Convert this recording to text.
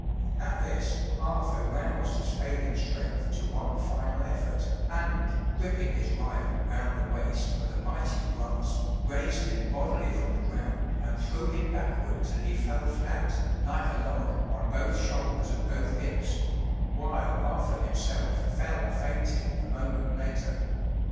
At this Arthur roused his failing strength to one final effort, and, griping his rival round the waist with a mighty grasp, raised him bodily from the ground and threw him backward till he fell flat, like a log, on both shoulders and both hips; while Arthur himself fell fainting a moment later.